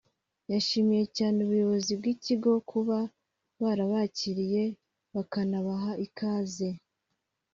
yashimiye cyane ubuyobozi bw’iki kigo kuba barabakiriye bakanabaha ikaze